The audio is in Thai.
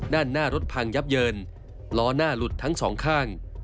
ด้านหน้ารถพังยับเยินล้อหน้าหลุดทั้งสองข้าง